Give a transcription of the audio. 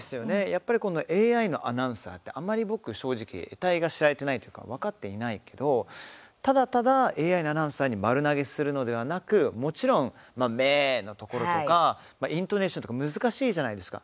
やっぱりＡＩのアナウンサーってあまり僕、正直えたいが知られていないというか分かっていないけどただただＡＩのアナウンサーに丸投げするのではなくもちろん、メエーのところとかイントネーションとか難しいじゃないですか。